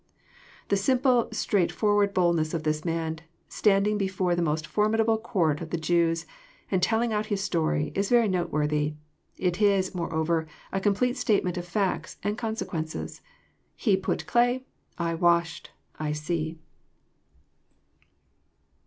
The simple, straightforward boldness of this man, standing be fore the most formidable court of the Jews, and telling out his story, is very noteworthy. It is, moreover, a complete state ment of facts, and consequences. '* He put clay : I washed : I see."